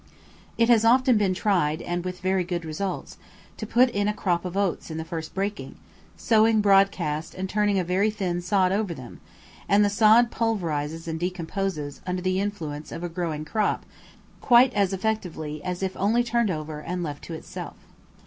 It has often been tried, and with very good results, to put in a crop of oats on the first breaking, sowing broadcast and turning a very thin sod over them; and the sod pulverizes and decomposes under the influence of a growing crop quite as effectually as if only turned over and left to itself.